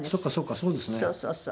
そうそうそう。